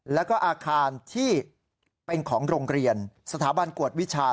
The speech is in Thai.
แล้วก็อาคารที่เป็นของโรงเรียนสถาบันกวดวิชา